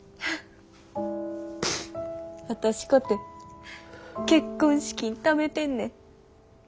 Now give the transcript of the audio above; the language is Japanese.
私かて結婚資金ためてんねん。